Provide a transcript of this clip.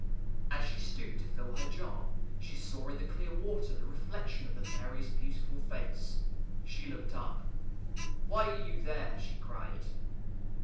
As she stooped to fill her jar, she saw in the clear water the reflection of the fairy's beautiful face. She looked up. " Why are you there? " she cried.